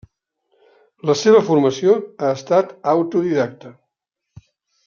La seva formació ha estat autodidacta.